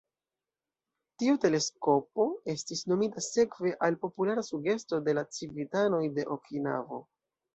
Tiu teleskopo estis nomita sekve al populara sugesto de la civitanoj de Okinavo.